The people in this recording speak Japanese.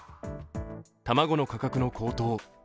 卵の価格の高騰